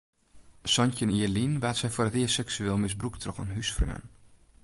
Santjin jier lyn waard sy foar it earst seksueel misbrûkt troch in húsfreon.